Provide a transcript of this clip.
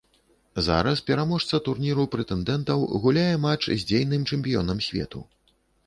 Зараз пераможца турніру прэтэндэнтаў гуляе матч з дзейным чэмпіёнам свету.